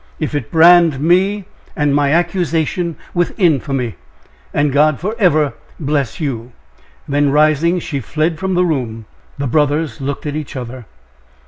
if it brand me and my accusation with infamy! and God forever bless you!" Then rising, she fled from the room. The brothers looked at each other.